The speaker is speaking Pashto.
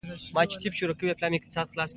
د مالګې د کارولو دلیل مشخص شوی وي.